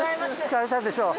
疲れたでしょう。